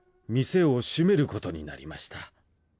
店を閉めることになりました。